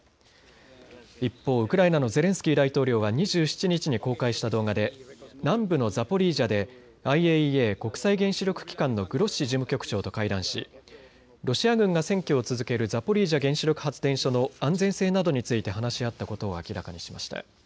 一方、ウクライナのゼレンスキー大統領は２７日に公開した動画で南部のザポリージャでＩＡＥＡ・国際原子力機関のグロッシ事務局長と会談しロシア軍が占拠を続けるザポリージャ原子力発電所の安全性などについて話し合ったことを明らかにしました。